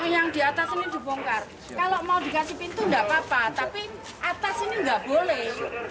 yang di atas ini dibongkar kalau mau dikasih pintu nggak apa apa tapi atas ini nggak boleh